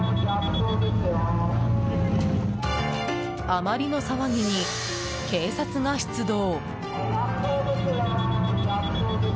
あまりの騒ぎに、警察が出動。